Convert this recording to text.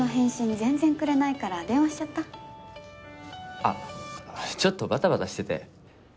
あっちょっとバタバタしてて。